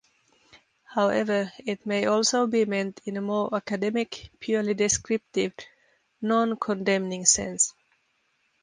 However, it may also be meant in a more academic, purely descriptive, non-condemning sense.